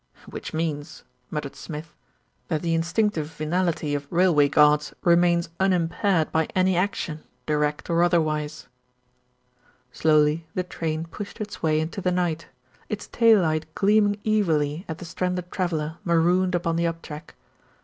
"Which means," muttered Smith, "that the instinc tive venality of railway guards remains unimpaired by any action, direct or otherwise." Slowly the train pushed its way into the night, its tail light gleaming evilly at the stranded traveller marooned upon the up track.